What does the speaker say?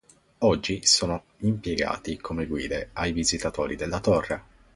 Oggi sono impiegati come guide ai visitatori della Torre.